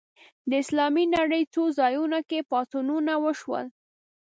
د اسلامي نړۍ څو ځایونو کې پاڅونونه وشول